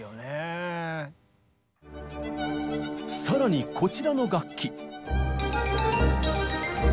更にこちらの楽器。